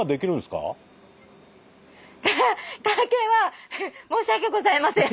カケは申し訳ございません。